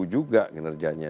belum tentu juga kinerjanya